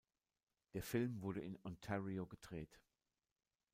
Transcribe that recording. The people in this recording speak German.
Der Film wurde in Ontario gedreht.